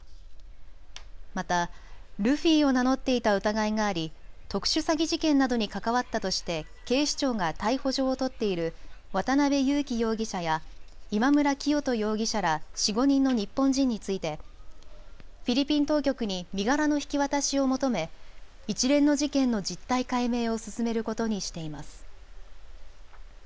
またルフィを名乗っていた疑いがあり特殊詐欺事件などに関わったとして警視庁が逮捕状を取っている渡邉優樹容疑者や今村磨人容疑者ら４、５人の日本人についてフィリピン当局に身柄の引き渡しを求め一連の事件の実態解明を進めることにしています。